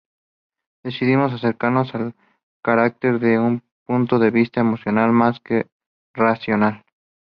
Decidimos acercarnos el carácter desde un punto de vista emocional más que racional.